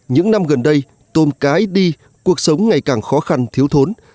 những năm gần đây tôm cái đi cuộc sống ngày càng khó khăn thiếu thốn